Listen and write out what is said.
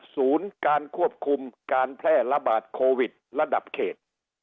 ศูนย์การควบคุมการแพร่ระบาดโควิดระดับเขต